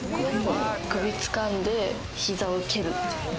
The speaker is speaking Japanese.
首を掴んで膝を蹴るっていう。